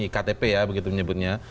ktp ya begitu menyebutnya